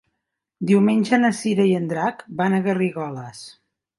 Diumenge na Cira i en Drac van a Garrigoles.